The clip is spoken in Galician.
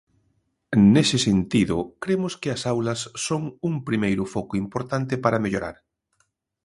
Nese sentido, cremos que as aulas son un primeiro foco importante para mellorar.